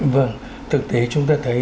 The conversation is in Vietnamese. vâng thực tế chúng ta thấy